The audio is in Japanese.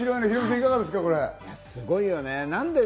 すごいよね。